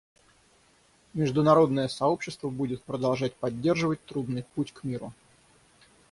Международное сообщество будет продолжать поддерживать трудный путь к миру.